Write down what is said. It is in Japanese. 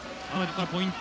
ポイント。